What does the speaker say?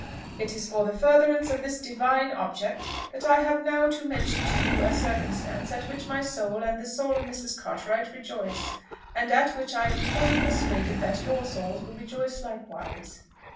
It is for the furtherance of this divine object that I have now to mention to you a circumstance at which my soul and the soul of Mrs. Cartwright rejoice, and at which I am fully persuaded that your souls will rejoice likewise."